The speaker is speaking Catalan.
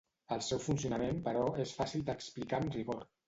El seu funcionament, però, és fàcil d'explicar amb rigor.